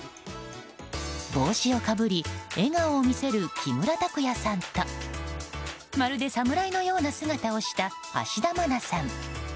帽子をかぶり笑顔を見せる木村拓哉さんとまるで侍のような姿をした芦田愛菜さん。